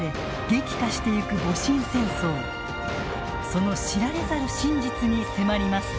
その知られざる真実に迫ります。